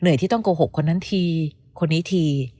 เหนื่อยที่ต้องโกหกคนนั้นทีคนนี้ที